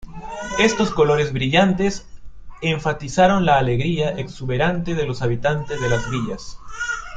Estos colores brillantes enfatizaron la alegría exuberante de los habitantes de las villas.